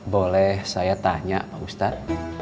boleh saya tanya pak ustadz